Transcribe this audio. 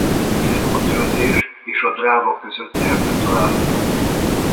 A töltés és a Dráva között erdő található.